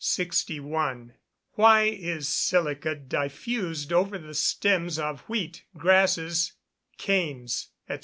_Why is silica diffused over the stems of wheat, grasses, canes, &c.?